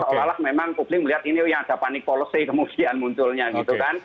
mungkin mungkin melihat ini ada panik polosi kemudian munculnya gitu kan